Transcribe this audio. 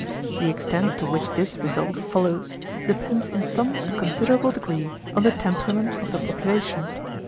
The extent to which this result follows depends in some considerable degree on the temperament of the population.